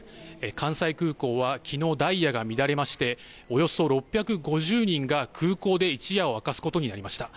関西空港はきのうダイヤが乱れましておよそ６５０人が空港で一夜を明かすことになりました。